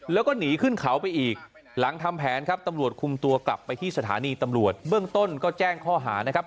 แล้วก็หนีขึ้นเขาไปอีกหลังทำแผนครับตำรวจคุมตัวกลับไปที่สถานีตำรวจเบื้องต้นก็แจ้งข้อหานะครับ